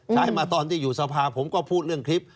ใช้มาตอนที่อยู่สภาผมก็พูดเรื่องคลิป